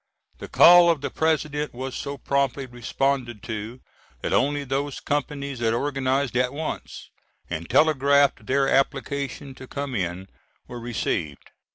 The call of the President was so promptly responded to that only those companies that organized at once, and telegraphed their application to come in, were received.